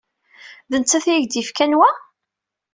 D nettat i ak-d-yefkan wa?